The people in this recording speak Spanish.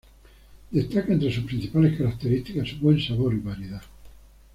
Destaca entre sus principales características su buen sabor y variedad.